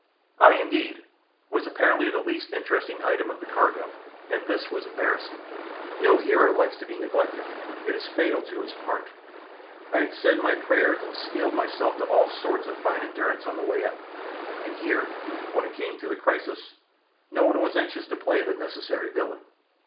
I, indeed, was apparently the least interesting item of the cargo, and this was embarrassing. No hero likes to be neglected, it is fatal to his part. I had said my prayers and steeled myself to all sorts of fine endurance on the way up, and here, when it came to the crisis, no one was anxious to play the necessary villain.